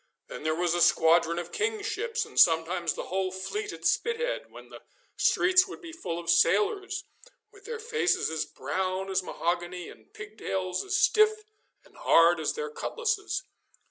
Then there was a squadron of King's ships, and sometimes the whole fleet at Spithead, when the streets would be full of sailors, with their faces as brown as mahogany and pigtails as stiff and hard as their cutlasses.